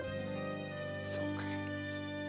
そうかい。